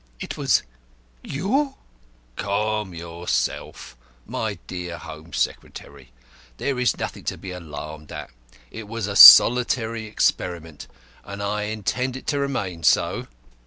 "It was you!" "Calm yourself, my dear Home Secretary. There is nothing to be alarmed at. It was a solitary experiment, and I intend it to remain so."